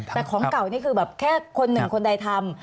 แต่ของเก่านี่คือแบบแค่คนหนึ่งคนใดทำ